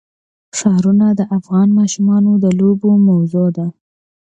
ښارونه د افغان ماشومانو د لوبو موضوع ده.